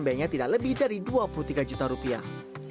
pembenya tidak lebih dari dua puluh tiga juta rupiah